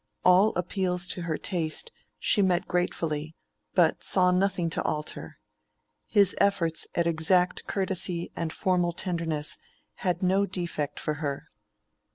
All appeals to her taste she met gratefully, but saw nothing to alter. His efforts at exact courtesy and formal tenderness had no defect for her.